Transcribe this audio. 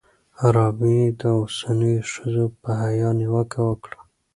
رابعې د اوسنیو ښځو په حیا نیوکه وکړه.